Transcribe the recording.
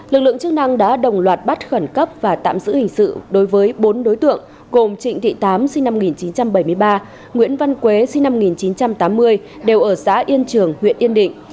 lực lượng chức năng đã đồng loạt bắt khẩn cấp và tạm giữ hình sự đối với bốn đối tượng gồm trịnh thị tám sinh năm một nghìn chín trăm bảy mươi ba nguyễn văn quế sinh năm một nghìn chín trăm tám mươi đều ở xã yên trường huyện yên định